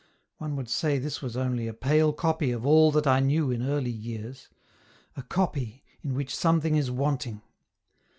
One would say this was only a pale copy of all that I knew in early years a copy in which something is wanting.